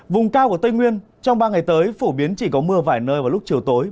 vùng cao của tây nguyên trong ba ngày tới phổ biến chỉ có mưa vài nơi vào lúc chiều tối